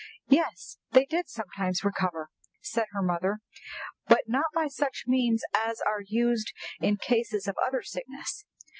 "Yes, they did sometimes recover," said her mother, "but not by such means as are used in cases of other sickness.